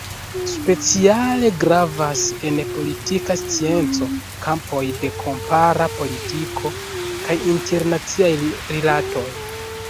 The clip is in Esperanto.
Speciale gravas en politika scienco kampoj de kompara politiko kaj internaciaj rilatoj.